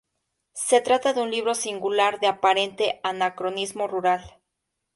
Se trata de un libro singular de aparente anacronismo rural.